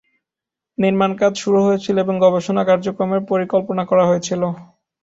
নির্মাণ কাজ শুরু হয়েছিল এবং গবেষণা কার্যক্রমের পরিকল্পনা করা হয়েছিল।